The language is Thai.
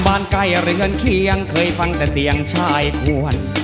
ใกล้เรือนเคียงเคยฟังแต่เสียงชายทวน